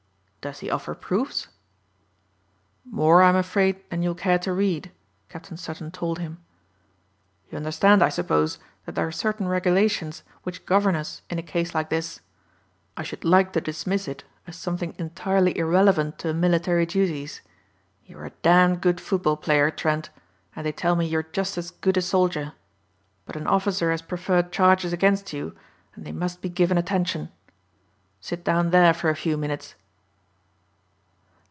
"Does he offer proofs?" "More I'm afraid than you'll care to read," Captain Sutton told him. "You understand, I suppose, that there are certain regulations which govern us in a case like this. I should like to dismiss it as something entirely irrelevant to military duties. You were a damned good football player, Trent, and they tell me you're just as good a soldier, but an officer has preferred charges against you and they must be given attention. Sit down there for a few minutes."